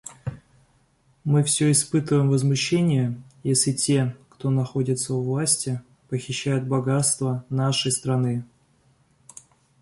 Мы все испытываем возмущение, если те, кто находится у власти, похищают богатства нашей страны.